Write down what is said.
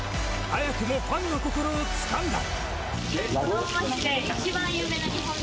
早くもファンの心をつかんだ。